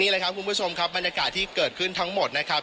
เลยครับคุณผู้ชมครับบรรยากาศที่เกิดขึ้นทั้งหมดนะครับ